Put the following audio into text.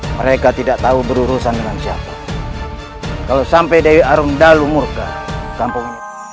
mereka tidak tahu berurusan dengan siapa kalau sampai dewi arundalu murka kampung